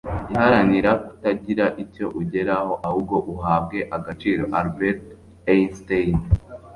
iharanira kutagira icyo ugeraho ahubwo uhabwe agaciro. - albert einstein